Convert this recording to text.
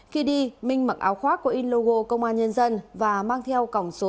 khi đi minh mặc áo khoác có in logo công an nhân dân và mang theo cỏng số tám